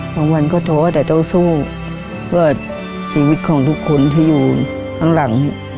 วันก็ท้อแต่ต้องสู้เพื่อชีวิตของทุกคนที่อยู่ข้างหลัง